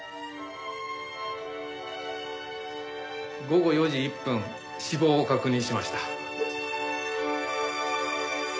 午後４時１分死亡を確認しました。